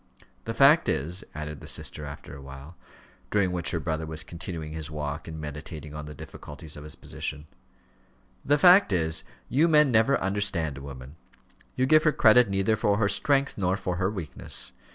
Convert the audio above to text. The fact is," added the sister after awhile, during which her brother was continuing his walk and meditating on the difficulties of his position "the fact is, you men never understand a woman; you give her credit neither for her strength, nor for her weakness.